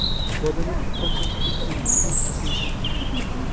بالىنى تۇغقاندىن كېيىن ئۆزلۈكىدىن ساقىيىپ كېتىدۇ.